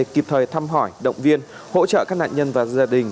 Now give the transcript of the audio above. kịp thời thăm hỏi động viên hỗ trợ các nạn nhân và gia đình các nạn nhân tử vong